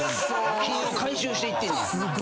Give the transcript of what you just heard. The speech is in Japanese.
品を回収していってんねや。